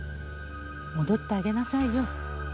戻ってあげなさいよ。